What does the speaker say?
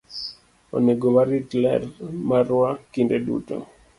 Onego warit ler marwa kinde duto.